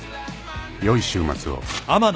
［よい週末を］